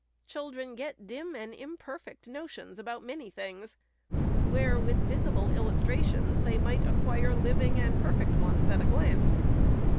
Children get dim and imperfect notions about many things, where, with visible illustrations, they might acquire living and perfect ones at a glance.